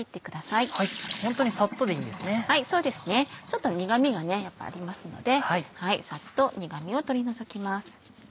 ちょっと苦味がやっぱありますのでサッと苦味を取り除きます。